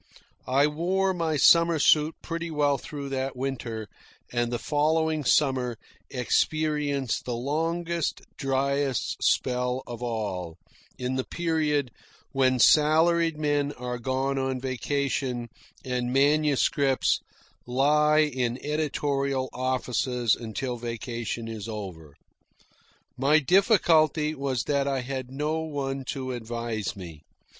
I wore my summer suit pretty well through that winter, and the following summer experienced the longest, dryest spell of all, in the period when salaried men are gone on vacation and manuscripts lie in editorial offices until vacation is over. My difficulty was that I had no one to advise me.